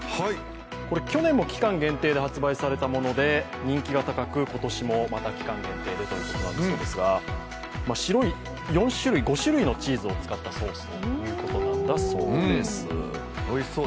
これ去年も期間限定で発売されたもので人気が高く、今年もまた期間限定でということなんですが白い４種類、５種類のチーズを使ったソースということなんだそうです。